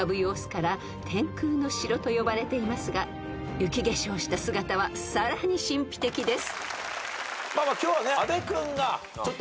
［雪化粧した姿はさらに神秘的です］